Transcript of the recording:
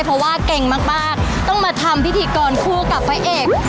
เพราะว่าเก่งมากต้องมาทำพิธีกรคู่กับพระเอก